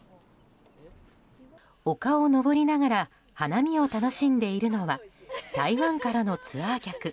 丘を登りながら花見を楽しんでいるのは台湾からのツアー客。